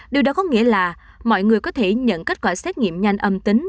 điều đó có nghĩa là mọi người có thể nhận kết quả xét nghiệm nhanh âm tính